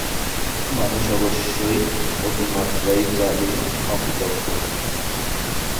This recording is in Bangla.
মানুষ অবশ্যই অতিমাত্রায় জালিম, অকৃতজ্ঞ।